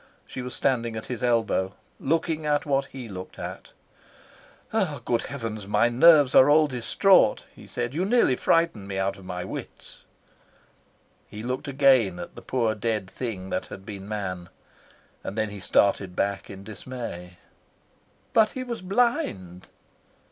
She was standing at his elbow, looking at what he looked at. "Good Heavens, my nerves are all distraught," he said. "You nearly frightened me out of my wits." He looked again at the poor dead thing that had been man, and then he started back in dismay. "But he was blind."